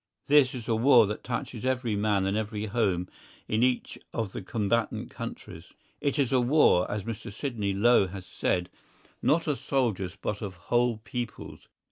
This is a war that touches every man and every home in each of the combatant countries. It is a war, as Mr. Sidney Low has said, not of soldiers but of whole peoples.